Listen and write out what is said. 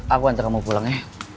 aku nanti kamu pulang ya